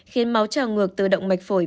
khiến máu trào ngược từ động mạch phổi